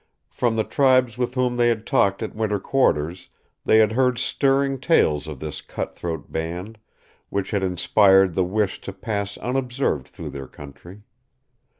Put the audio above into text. From the tribes with whom they had talked at winter quarters, they had heard stirring tales of this cut throat band, which had inspired the wish to pass unobserved through their country.